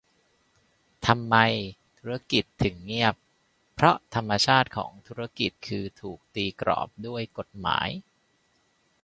ทำไม "ธุรกิจ" ถึงเงียบ เพราะธรรมชาติของธุรกิจคือถูกตีกรอบด้วยกฎหมาย